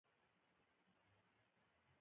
هرات د افغانستان د اوږدمهاله پایښت لپاره مهم دی.